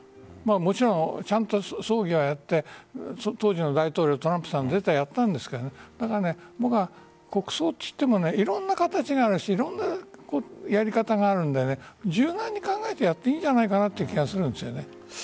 もちろん、ちゃんと葬儀はやって当時の大統領トランプさんがやったんですが僕は国葬といってもいろんな形があるしいろんなやり方があるので柔軟に考えてやっていいんじゃないかという気がするんです。